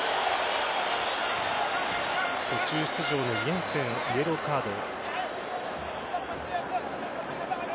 途中出場のイェンセンイエローカード。